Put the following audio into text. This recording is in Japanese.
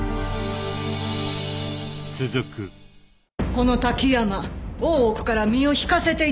この滝山大奥から身を引かせていただきましょう。